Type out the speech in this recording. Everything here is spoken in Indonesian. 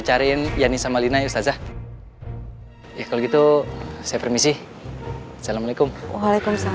cariin yani sama lina yusazah ya kalau gitu saya permisi assalamualaikum waalaikumsalam